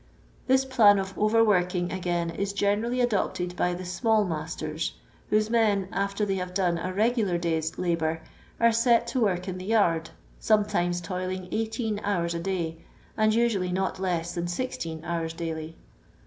This plan of overworking, again, is generally adopted by the small masters, whose men, after they have done a regular day's hibour, are set to work in the yard, sometimes toiling 18 hours a day, and usually not less than 16 hours daily.